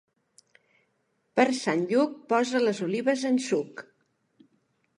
Per Sant Lluc, posa les olives en suc.